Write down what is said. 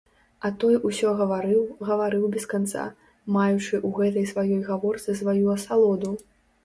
А той усё гаварыў, гаварыў без канца, маючы ў гэтай сваёй гаворцы сваю асалоду.